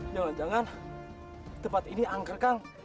jangan jangan tempat ini angker kang